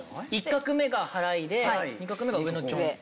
１画目がはらいで２画目が上のチョン。